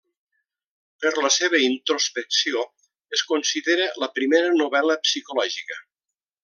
Per la seva introspecció, es considera la primera novel·la psicològica.